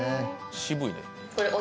渋いね。